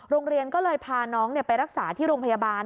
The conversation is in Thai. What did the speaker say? โรงเรียนก็เลยพาน้องไปรักษาที่โรงพยาบาล